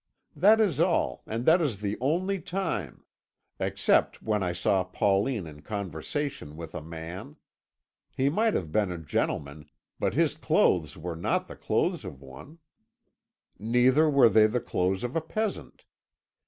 That is all, and that is the only time except when I saw Pauline in conversation with a man. He might have been a gentleman, but his clothes were not the clothes of one; neither were they the clothes of a peasant.